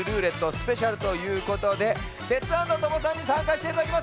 スペシャルということでテツａｎｄトモさんにさんかしていただきます。